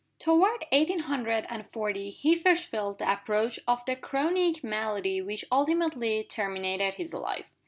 Toward eighteen hundred and forty he first felt the approach of the chronic malady which ultimately terminated his life.